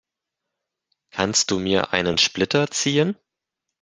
Kannst du mir einen Splitter ziehen?